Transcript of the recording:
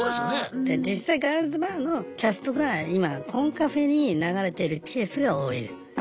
で実際ガールズバーのキャストが今コンカフェに流れてるケースが多いです。